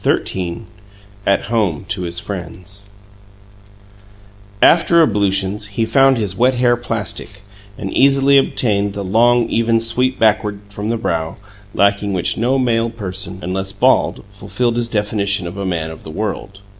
XIII AT HOME TO HIS FRIENDS After ablutions, he found his wet hair plastic, and easily obtained the long, even sweep backward from the brow, lacking which no male person, unless bald, fulfilled his definition of a man of the world.